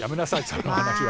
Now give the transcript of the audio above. その話は。